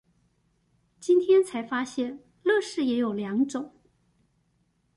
今天才發現樂事也有兩種